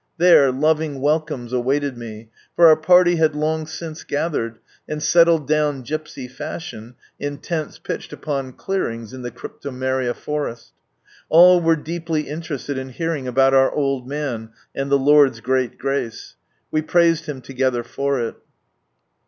There loving welcomes awaited me, for our party had long since gathered, and settled down gipsy fashion, in tents pitched upon clearings in the cryptomeria forest. All were deeply interested in hearing about our old man, and the Lord's great grace. We praised Him together for it.